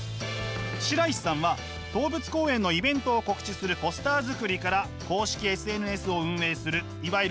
白石さんは動物公園のイベントを告知するポスター作りから公式ＳＮＳを運営するいわゆる「中の人」まで